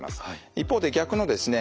一方で逆のですね